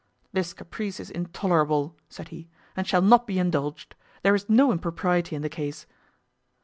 "This caprice is intolerable," said he, "and shall not be indulged: there is no impropriety in the case."